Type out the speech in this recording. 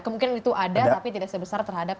kemungkinan itu ada tapi tidak sebesar terhadap